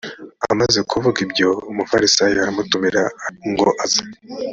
amaze kuvuga ibyo umufarisayo aramutumira ngo aze